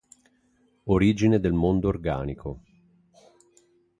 Origine del mondo organico.